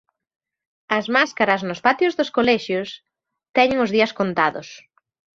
As máscaras nos patios dos colexios teñen os días contados.